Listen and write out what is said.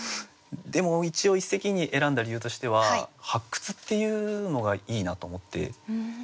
でも一応一席に選んだ理由としては発掘っていうのがいいなと思って。